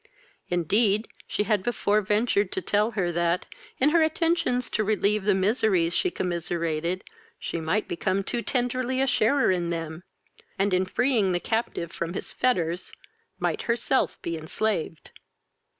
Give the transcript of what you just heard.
Indeed, she had before ventured to tell her, that, in her attentions to relieve the miseries she commiserated, she might become too tenderly a sharer in them, and, in freeing the captive from his fetters, might herself be enslaved.